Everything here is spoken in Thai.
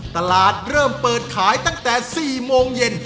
ตลาดเริ่มเปิดขายตั้งแต่๔โมงเย็น